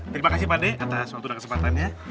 terima kasih pak de atas waktu dan kesempatannya